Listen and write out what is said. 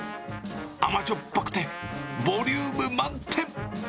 甘じょっぱくて、ボリューム満点。